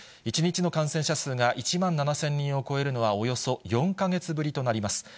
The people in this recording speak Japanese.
１日の感染者数が１万７０００人を超えるのはおよそ４か月ぶりとなります。